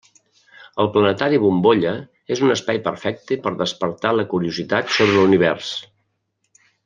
El Planetari Bombolla és un espai perfecte per despertar la curiositat sobre l'univers.